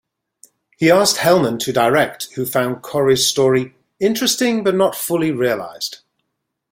He asked Hellman to direct, who found Corry's story "interesting, but not fully realized".